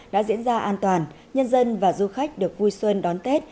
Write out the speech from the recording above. đã diễn ra an toàn nhân dân và du khách được vui xuân đón tết